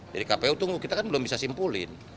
jadi kpu tunggu kita kan belum bisa simpulin